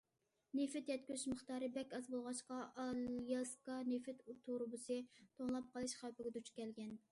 نېفىت يەتكۈزۈش مىقدارى بەك ئاز بولغاچقا، ئالياسكا نېفىت تۇرۇبىسى توڭلاپ قېلىش خەۋپىگە دۇچ كەلگەن.